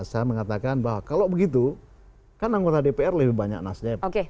saya mengatakan bahwa kalau begitu kan anggota dpr lebih banyak nasdem